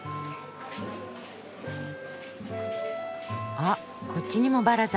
あっこっちにもバラザ。